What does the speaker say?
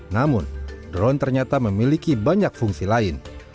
namun drone ternyata memiliki banyak fungsi lain